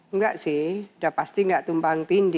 enggak sih udah pasti nggak tumpang tindi